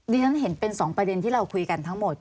เรียนเห็นเป็น๒ประเด็นที่เราคุยกันทั้งหมด